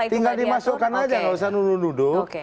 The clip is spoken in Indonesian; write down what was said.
tinggal dimasukkan saja nggak usah menuduh nuduh